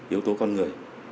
yếu tố con người